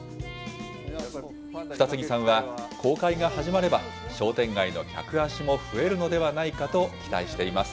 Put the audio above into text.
二木さんは公開が始まれば、商店街の客足も増えるのではないかと期待しています。